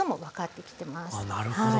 なるほど。